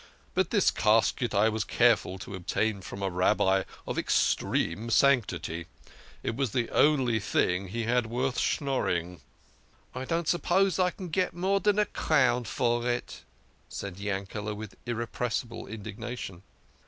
But this casket I was careful to obtain from a Rabbi of extreme sanctity. It was the only thing he had worth schnorring." " I don't suppose I shall get more dan a crown for it," said Yankete, with irrepressible indignation.